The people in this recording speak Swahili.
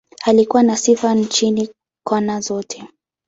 Alikuwa na sifa nchini, kona zote.